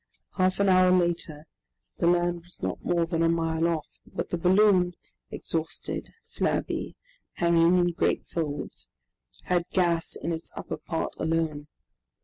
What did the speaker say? Half an hour later the land was not more than a mile off, but the balloon, exhausted, flabby, hanging in great folds, had gas in its upper part alone.